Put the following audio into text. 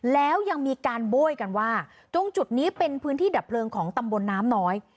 แล้วยังมีการโบ้ยกันว่าตรงจุดนี้เป็นพื้นที่ดับเพลิงของตำบลน้ำน้อย